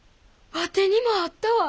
ワテにもあったわ！